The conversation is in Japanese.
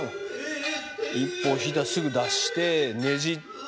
一歩引いたらすぐ出してねじって。